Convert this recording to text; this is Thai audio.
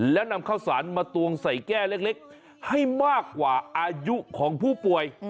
แล้วนำข้าวสารมาตวงใส่แก้เล็กให้มากกว่าอายุของผู้ป่วย